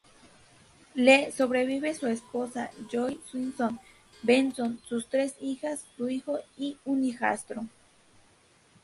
Le sobrevive su esposa, Joy Swinson-Benson, sus tres hijas, su hijo y un hijastro.